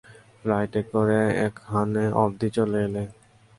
ফ্লাইটে করে এখান অবধি চলে এলে।